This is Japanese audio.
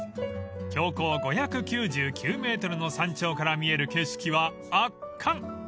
［標高５９９ｍの山頂から見える景色は圧巻］